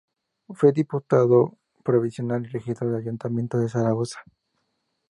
Fue diputado provincial y regidor en el Ayuntamiento de Zaragoza.